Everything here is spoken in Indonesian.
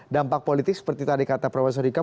dampak politik seperti tadi kata prof rika